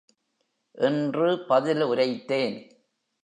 என்று பதில் உரைத்தேன்.